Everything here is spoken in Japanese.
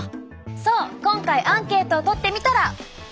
そう今回アンケートを取ってみたら。